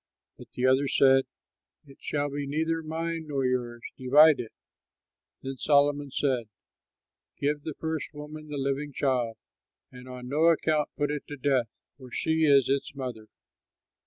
But the other said, "It shall be neither mine nor yours! Divide it!" Then Solomon said, "Give the first woman the living child, and on no account put it to death; she is its mother."